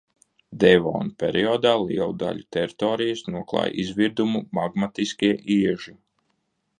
Devona periodā lielu daļu teritorijas noklāja izvirdumu magmatiskie ieži.